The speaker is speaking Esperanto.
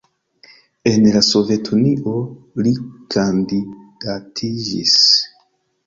En la Sovetunio li kandidatiĝis.